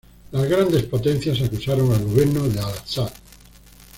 Las grandes potencias acusaron al gobierno de Al-Asad.